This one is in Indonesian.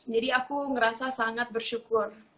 jadi aku merasa sangat bersyukur